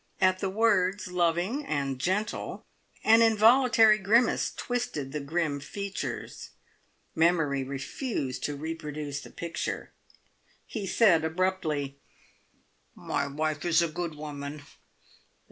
At the words "loving and gentle," an involuntary grimace twisted the grim features. Memory refused to reproduce the picture. He said abruptly: "My wife is a good woman.